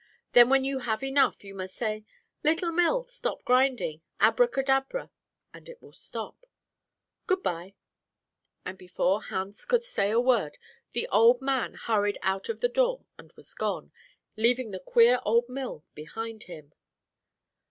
Then when you have enough, you must say, "Little mill, stop grinding, Abracadabra," and it will stop. Good by,' and before Hans could say a word, the old man hurried out of the door and was gone, leaving the queer old mill behind him.